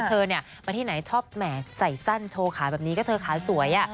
เธอมาที่ไหนชอบแห่ใส่สั้นโชว์ขาแบบนี้ก็เธอขาสวย